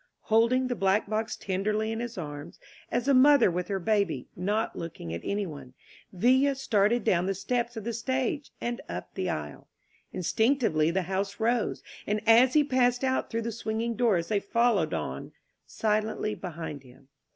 Holding the black box tenderly in his arms as a mother with 186 VILLA AND CARRANZA her baby, not looking at anyone, Villa started down the steps of the stage and up the aisle. Instinctively, the house rose ; and as he passed out through the swing ing doors they followed on silently behind him.